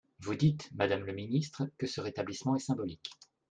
Vous dites, madame le ministre, que ce rétablissement est symbolique.